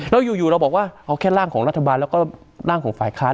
แล้วอยู่เราบอกว่าเอาแค่ร่างของรัฐบาลแล้วก็ร่างของฝ่ายค้าน